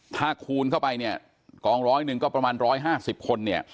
ถ้าคูณเข้าไปกองร้อยหนึ่งก็ประมาณ๑๕๐คน